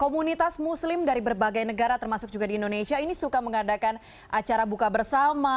komunitas muslim dari berbagai negara termasuk juga di indonesia ini suka mengadakan acara buka bersama